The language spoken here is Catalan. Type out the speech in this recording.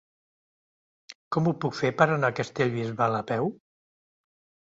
Com ho puc fer per anar a Castellbisbal a peu?